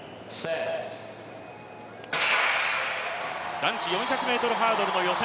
男子４００ｍハードルの予選